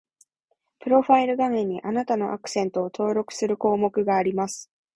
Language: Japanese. プロファイル画面に、あなたのアクセントを登録する項目があります